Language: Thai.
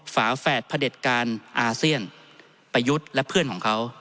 ฝาแฝดพระเด็จการอาเซียนประยุทธ์และเพื่อนของเขา